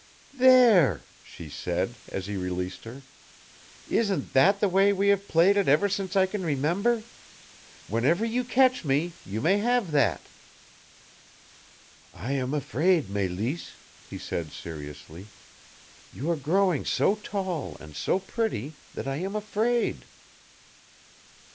"There," she said, as he released her. "Isn't that the way we have played it ever since I can remember? Whenever you catch me, you may have that!" "I am afraid, Mélisse," he said seriously. "You are growing so tall and so pretty that I am afraid."